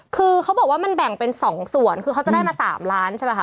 คือเขาบอกว่ามันแบ่งเป็น๒ส่วนคือเขาจะได้มา๓ล้านใช่ไหมคะ